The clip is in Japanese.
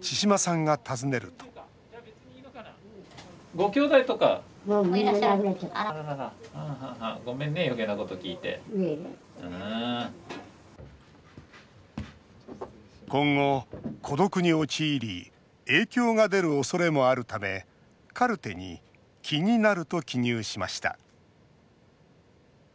千嶋さんが尋ねると今後、孤独に陥り影響が出るおそれもあるためカルテに「きになる」と記入しました。